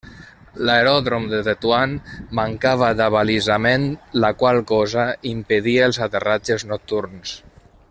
L'aeròdrom de Tetuan mancava d'abalisament, la qual cosa impedia els aterratges nocturns.